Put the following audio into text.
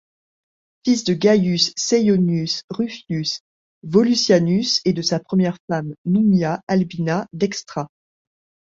Fils de Gaius Ceionius Rufius Volusianus et de sa première femme Nummia Albina Dextra.